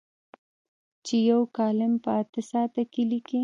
چې یو کالم په اته ساعته کې لیکي.